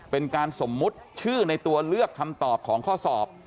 เป็นการสมมุติชื่อในตัวเลือกคำตอบของข้อสอบ